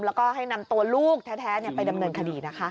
แล้วก็ให้นำตัวลูกแท้ไปดำเนินคดีนะคะ